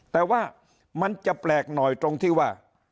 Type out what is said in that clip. แต่ว่ามันจะแปลกหน่อยตรงที่ว่า